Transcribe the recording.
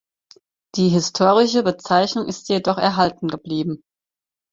Die historische Bezeichnung ist jedoch erhalten geblieben.